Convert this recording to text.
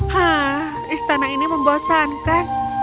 hah istana ini membosankan